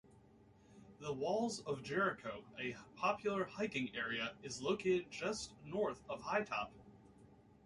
The Walls of Jericho, a popular hiking area, is located just north of Hytop.